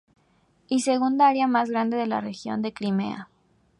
Y segunda área más grande de la región de Crimea.